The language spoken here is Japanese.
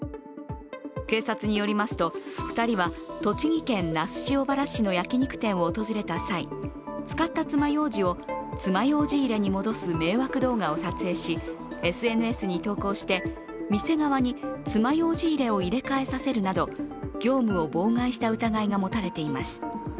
警察によりますと、２人は栃木県那須塩原市の焼き肉店を訪れた際使った爪ようじを爪ようじ入れに戻す迷惑動画を撮影しＳＮＳに投稿して店側に、爪ようじ入れを入れ替えさせるなど業務を妨害した疑いが持たれています。